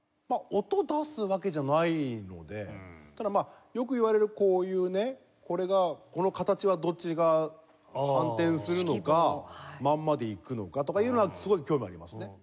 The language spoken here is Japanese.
音を出すわけじゃないのでただまあよくいわれるこういうねこれがこの形はどっちが反転するのかまんまでいくのかとかいうのはすごい興味ありますね。